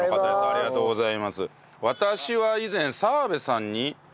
ありがとうございます。